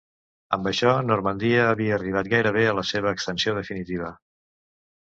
Amb això Normandia havia arribat gairebé a la seva extensió definitiva.